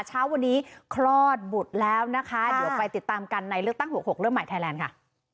เช้าวันนี้คลอดบุตรแล้วนะคะเดี๋ยวไปติดตามกันในเลือกตั้ง๖๖เริ่มใหม่ไทยแลนด์ค่ะ